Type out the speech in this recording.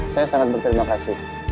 saya sangat berterima kasih